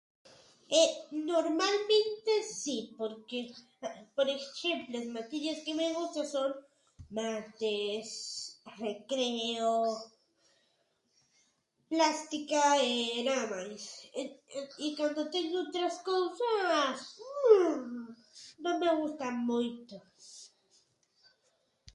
E normalmente si porque por exemplo as materias que me gustan son mates, recreo, plástica e nada máis e cando teño outras cousas non me gustan moito.